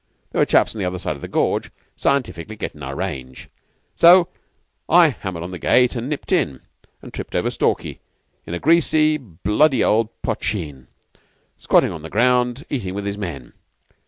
There were chaps on the other side of the gorge scientifically gettin' our range. So I hammered on the gate and nipped in, and tripped over Stalky in a greasy, bloody old poshteen, squatting on the ground, eating with his men.